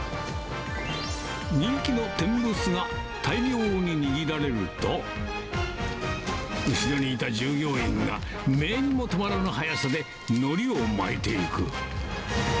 人気の天むすが大量に握られると、後ろにいた従業員が、目にも止まらぬ速さでのりを巻いていく。